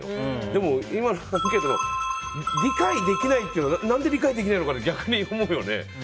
でも、今のアンケート理解できないっていうのは何で理解できないのかって逆に思うよね。